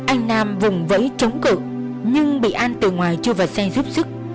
anh nam vùng vẫy chống cực nhưng bị an từ ngoài chưa vào xe giúp sức